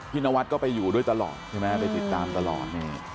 นวัดก็ไปอยู่ด้วยตลอดใช่ไหมไปติดตามตลอด